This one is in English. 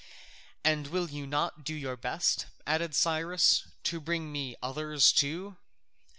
"And will you not do your best," added Cyrus, "to bring me others too?"